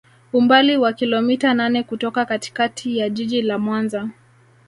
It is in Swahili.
Umbali wa kilometa nane kutoka katikati ya Jiji la Mwanza